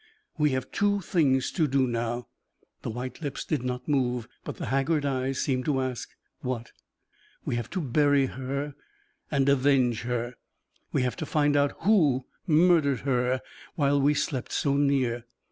We have two things to do now." The white lips did not move, but the haggard eyes seemed to ask, "What?" "We have to bury her and avenge her; we have to find out who murdered her while we slept so near."